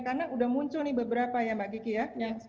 karena udah muncul nih beberapa ya mbak kiki ya